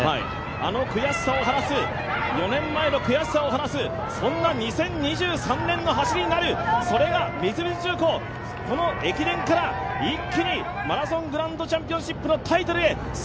あの悔しさを晴らす、４年前の悔しさを晴らす、そんな２０２３年の走りになる、それが三菱重工、この駅伝から一気にマラソングランドチャンピオンシップのタイトルへ。